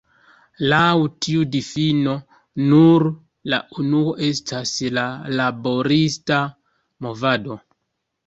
Laŭ tiu difino, nur la unuo estas la "laborista movado".